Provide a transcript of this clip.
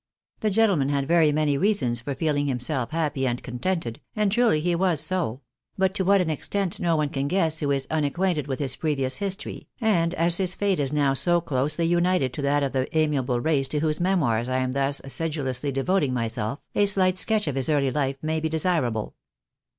The gentleman had very many reasons for feeling himself happy and contented, and truly he was so ; but to what an extent no one can guess who is unacquainted with his previous history, and as his fate is now so closely united to that of the amiable race to whose memoirs I am thus sedulously devoting myself, a slight sketch of his early hfe may be desirable.